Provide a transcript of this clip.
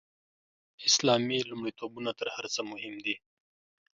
اسلامي لومړیتوبونه تر هر څه مهم دي.